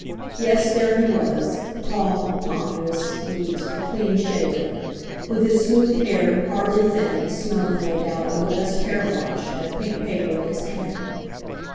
Yes, there he was, tall, ponderous, neat, clean shaven, with his smooth hair, hardly thinned, smelling, no doubt, of the best hair wash, and a pink paper in his hand.